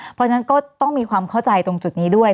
เพราะฉะนั้นก็ต้องมีความเข้าใจตรงจุดนี้ด้วย